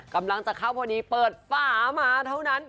กำลังจะเข้าพอดีเปิดฝามาเท่านั้น